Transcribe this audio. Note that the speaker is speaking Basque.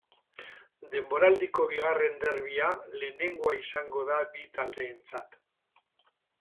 Denboraldiko bigarren derbia lehenengoa izango da bi taldeentzat.